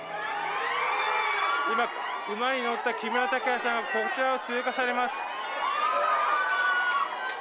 今、馬に乗った木村拓哉さんがこちらを通過されます。